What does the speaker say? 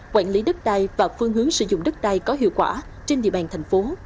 quản lý đất đai và phương hướng sử dụng đất đai có hiệu quả trên địa bàn thành phố